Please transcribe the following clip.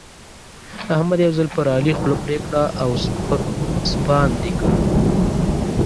احمد یو ځل پر علي خوله پرې کړه او سپک سپاند يې کړ.